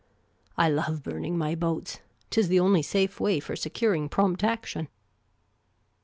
I love burning my boats ; 't is the only safe way for securing prompt action.